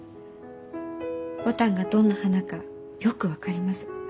牡丹がどんな花かよく分かります。